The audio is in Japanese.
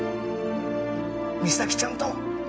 実咲ちゃんと